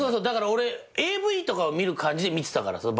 だから俺ＡＶとかを見る感じで見てたから。